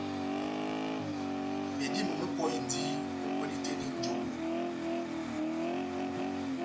Medímo mepɔhindi o kwedi tɛh eni njololo